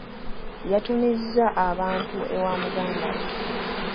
Yatumizza abantu ewa muganda we.